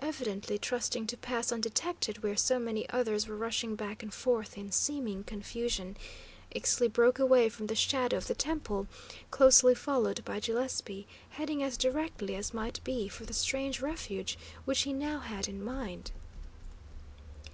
Evidently trusting to pass undetected where so many others were rushing back and forth in seeming confusion, Ixtli broke away from the shadow of the temple, closely followed by Gillespie, heading as directly as might be for the strange refuge which he now had in mind.